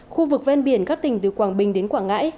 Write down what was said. khu vực ven biển các tỉnh từ quảng bình đến quảng ngãi